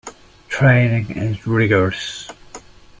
Training is rigorous.